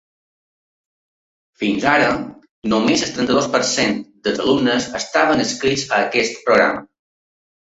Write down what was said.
Fins ara, només el trenta-dos per cent dels alumnes estaven adscrits a aquest programa.